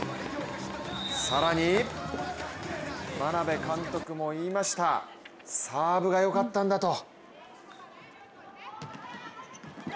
更に、眞鍋監督も言いましたサーブが良かったんだと。